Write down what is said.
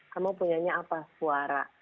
kamu punya apa suara